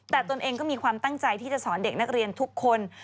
แต่ตนเองก็มีความตั้งใจที่จะสอนเด็กนักเรียนทุกคน